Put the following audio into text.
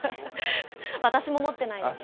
私も持ってないです。